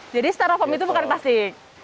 jadi styrofoam itu bukan plastik